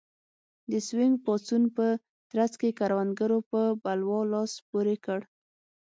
د سوینګ پاڅون په ترڅ کې کروندګرو په بلوا لاس پورې کړ.